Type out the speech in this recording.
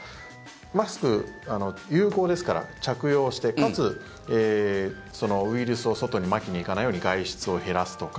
マスクは有効ですから着用してかつ、ウイルスを外にまきに行かないように外出を減らすとか。